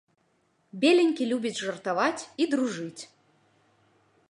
Беленькі любіць жартаваць і дружыць.